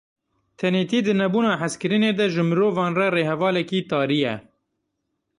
Tenêtî, di nebûna hezkirinê de ji mirovan re rêhevalekî tarî ye.